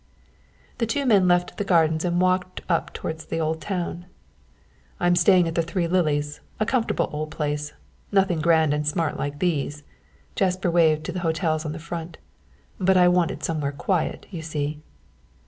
The two men left the gardens and walked up towards the Old Town. "I'm staying at The Three Lilies, a comfortable old place nothing grand and smart like these" Jasper waved to the great hotels on the front, "but I wanted somewhere quiet, you see."